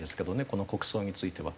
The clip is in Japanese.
この国葬については。